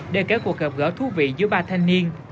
để kể cuộc gặp gỡ thú vị giữa ba thanh niên